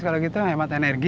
kalau gitu hemat energi